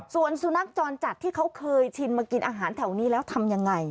ส่วนสุนัขจรจัดที่เขาเคยชินมากินอาหารแถวนี้แล้วทำยังไง